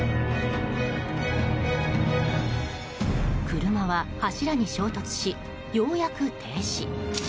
車は柱に衝突し、ようやく停止。